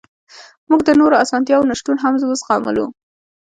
موږ د نورو اسانتیاوو نشتون هم وزغملو